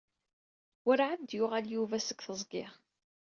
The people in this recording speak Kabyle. Werɛad d-yuɣal Yuba seg teẓgi.